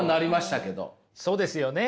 そうですよね。